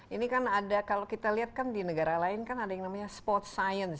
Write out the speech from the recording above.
ini kan ada kalau kita lihat kan di negara lain kan ada yang namanya sport science